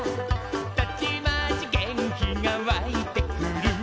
「たちまち元気がわいてくる」